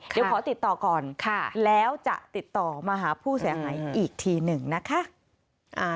เดี๋ยวขอติดต่อก่อนแล้วจะติดต่อมาหาผู้เสียหายอีกทีหนึ่งนะคะ